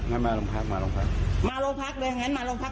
ทำอะไรล่ะมาโรงพักมาโรงพักมาโรงพักเลยงั้นมาโรงพัก